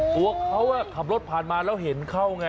ตัวเขาขับรถผ่านมาแล้วเห็นเข้าไง